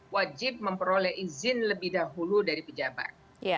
wajib memperoleh izin lebih dahulu dari pejabat